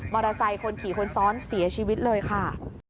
ไซค์คนขี่คนซ้อนเสียชีวิตเลยค่ะ